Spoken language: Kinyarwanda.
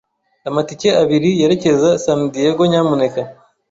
Amatike abiri yerekeza San Diego, nyamuneka.